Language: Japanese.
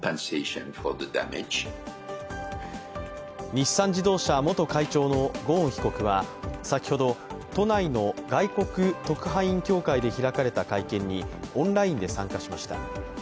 日産自動車元会長のゴーン被告は先ほど都内の外国特派員協会で開かれた会見にオンラインで参加しました。